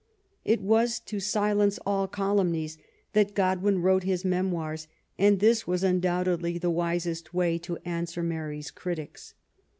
'' It was to silence all calumnies that Godwin wrote his Memoirs, and this was undoubtedly the wisest way to answer Mary's critics.